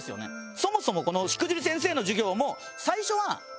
そもそもこの『しくじり先生』の授業も。